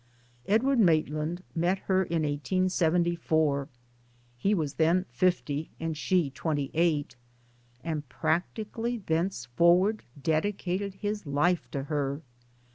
Edward Mait land met her in 1874 (he was then fifty and she twenty eight), and practically thenceforward' dedi cated his life to her.